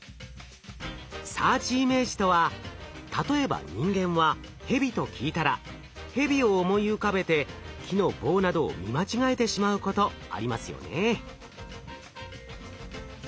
サーチイメージとは例えば人間は「ヘビ」と聞いたらヘビを思い浮かべて木の棒などを見間違えてしまうことありますよね。